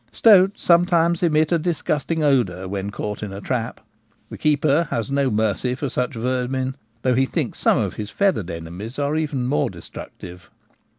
Stoats sometimes emit a disgusting odour when caught in a trap. The keeper has no mercy for such vermin, though he thinks some of his feathered enemies are even more destructive.